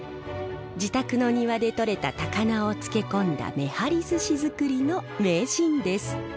自宅の庭で取れた高菜を漬け込んだめはりずし作りの名人です。